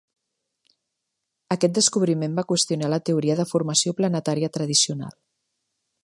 Aquest descobriment va qüestionar la teoria de formació planetària tradicional.